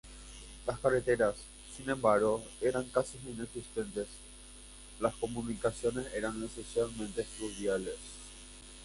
Las carreteras, sin embargo, eran casi inexistentes; las comunicaciones eran esencialmente fluviales.